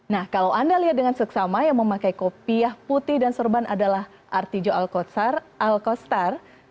nah kalau anda lihat dengan seksama yang memakai kopiah putih dan sorban adalah artijo alkostar